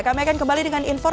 kami akan kembali dengan informasi